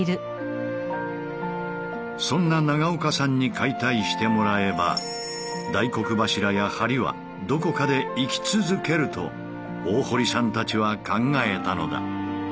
そんな長岡さんに解体してもらえば大黒柱や梁はどこかで生き続けると大堀さんたちは考えたのだ。